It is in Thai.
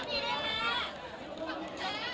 ติดต่อด้วยค่ะ